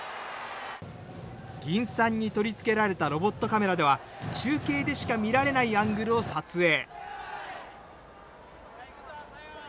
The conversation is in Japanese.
銀傘に取り付けられたロボットカメラでは中継でしか見られないアングルを撮影。